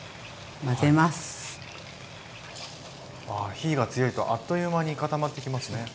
火が強いとあっという間に固まってきますね。